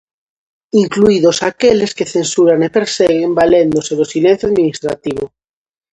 Incluídos aqueles que censuran e perseguen valéndose do silencio administrativo.